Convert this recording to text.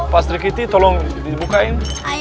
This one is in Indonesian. pak sri kiti tolong dibukain